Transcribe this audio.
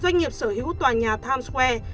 doanh nghiệp sở hữu tòa nhà times square